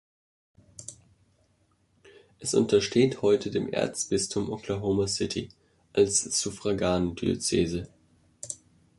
Es untersteht heute dem Erzbistum Oklahoma City als Suffragandiözese.